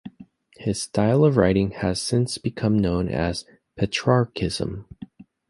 His style of writing has since become known as "Petrarchism".